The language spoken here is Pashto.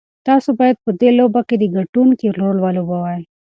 تاسو بايد په دې لوبه کې د ګټونکي رول ولوبوئ.